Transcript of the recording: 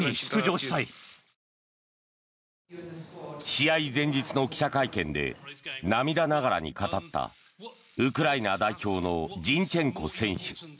試合前日の記者会見で涙ながらに語ったウクライナ代表のジンチェンコ選手。